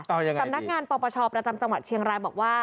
สำนักงานปปชประจำจังหวัดเชียงรายบอกว่า